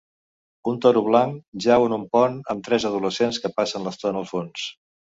Un toro blanc jau en un pont amb tres adolescents que passen l'estona al fons.